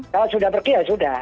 kalau sudah pergi ya sudah